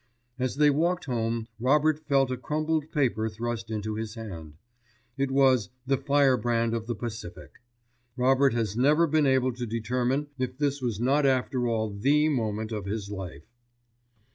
As they walked home Robert felt a crumpled paper thrust into his hand. It was The Firebrand of the Pacific. Robert has never been able to determine if this was not after all the moment of his life.